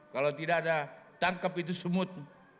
kalau tidak ada tangkap itu sumut